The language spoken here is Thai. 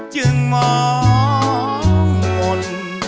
จึงมองมน